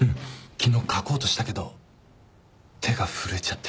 昨日書こうとしたけど手が震えちゃって。